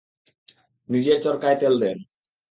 নিজের চরকায় তেল দেন!